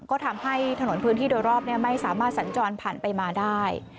ก็ทำให้ถนนพื้นที่โดยรอบไม่สามารถสัญจรผ่านไปมาได้